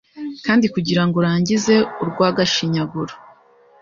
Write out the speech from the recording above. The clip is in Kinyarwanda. Kandi kugirango urangize urwagashinyaguro